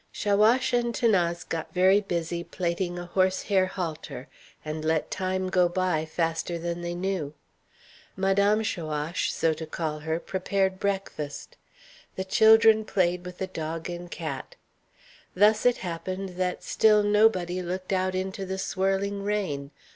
Chaouache and 'Thanase got very busy plaiting a horse hair halter, and let time go by faster than they knew. Madame Chaouache, so to call her, prepared breakfast. The children played with the dog and cat. Thus it happened that still nobody looked out into the swirling rain.